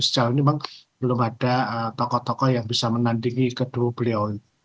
sejauh ini memang belum ada tokoh tokoh yang bisa menandingi kedua beliau